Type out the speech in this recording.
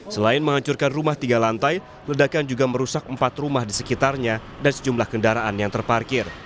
selain menghancurkan rumah tiga lantai ledakan juga merusak empat rumah di sekitarnya dan sejumlah kendaraan yang terparkir